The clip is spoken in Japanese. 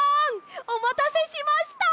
おまたせしました！